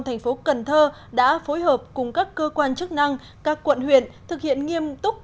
thành phố cần thơ đã phối hợp cùng các cơ quan chức năng các quận huyện thực hiện nghiêm túc